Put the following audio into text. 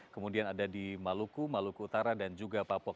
kemudian ada di maluku maluku utara dan juga papua